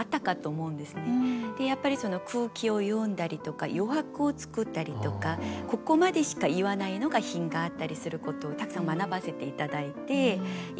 でやっぱり空気を読んだりとか余白を作ったりとかここまでしか言わないのが品があったりすることをたくさん学ばせて頂いて。